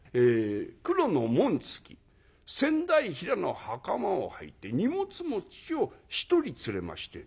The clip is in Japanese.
黒の紋付き仙台平の袴をはいて荷物持ちを１人連れまして。